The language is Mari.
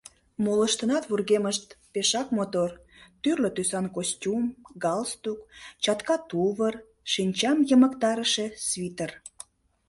Молыштынат вургемышт пешак мотор: тӱрлӧ тӱсан костюм, галстук, чатка тувыр, шинчам йымыктарыше свитр.